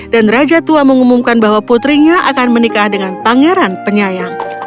dan raja tua mengumumkan bahwa putrinya akan menikah dengan pangeran penyayang